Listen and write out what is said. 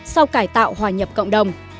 sau cải tạo hòa nhập cộng đồng